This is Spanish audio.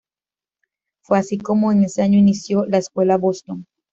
Fue así como en ese año inició la Escuela Boston.